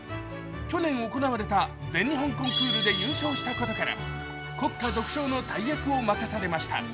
去年行われた全日本コンクールで優勝したことから国歌独唱の大役を任されました。